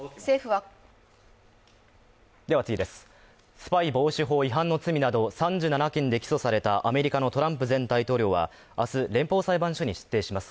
スパイ防止法違反の罪など３７の罪で起訴されたアメリカのトランプ前大統領は明日、連邦裁判所に出廷します。